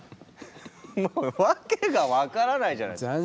もう訳が分からないじゃないですか。